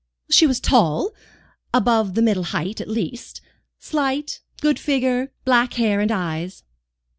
"She was tall, above the middle height, at least; slight, good figure, black hair and eyes."